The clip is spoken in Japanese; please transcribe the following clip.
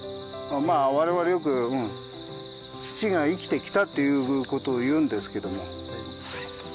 我々よく「土が生きてきた」っていう事を言うんですけども。